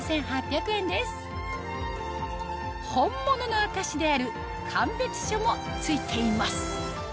本物の証しである鑑別書も付いています